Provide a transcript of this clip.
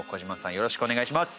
よろしくお願いします。